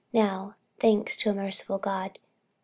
Now thanks to a merciful God!